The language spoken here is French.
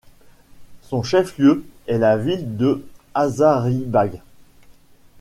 Son chef-lieu est la ville de Hazaribagh.